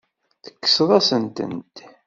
Tekkseḍ-asen-tent.